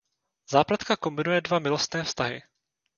Zápletka kombinuje dva milostné vztahy.